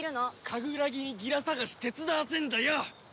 カグラギにギラ捜し手伝わせんだよ！